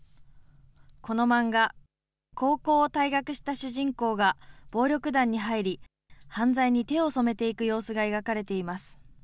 この漫画、高校を退学した主人公が、暴力団に入り、犯罪に手を染めていく様子が描かれています。